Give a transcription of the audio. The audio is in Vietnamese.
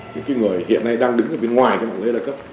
những người hiện nay đang đứng bên ngoài mạng lễ đa cấp